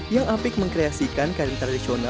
yang apik mengkreasikan karya kreatif indonesia